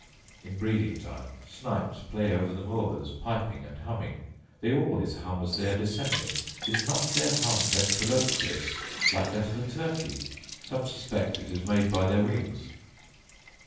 In breeding time snipes play over the moors, piping and humming: they always hum as they are descending. Is not their hum ventriloquous like that of a turkey? Some suspect it is made by their wings.